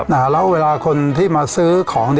แล้วเวลาคนที่มาซื้อของ